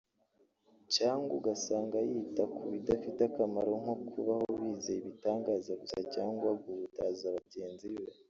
cyangwa ugasanga yita ku bidafite akamaro nko kubaho bizeye ibitangaza gusa cyangwa guhutaza bagenzi be